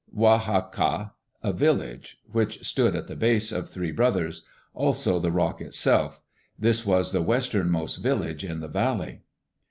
"Wa ha' ka, a village which stood at the base of Three Brothers; also the rock itself. This was the westernmost village in the valley.